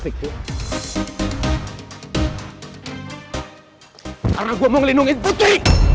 karena gue mau ngelindungin putri